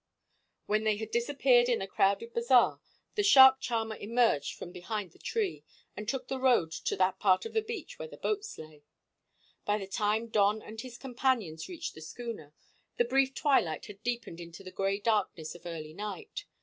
When they had disappeared in the crowded bazaar, the shark charmer emerged from behind the tree, and took the road to that part of the beach where the boats lay. By the time Don and his companions reached the schooner, the brief twilight had deepened into the gray darkness of early night.